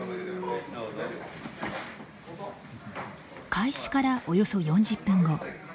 開始からおよそ４０分後。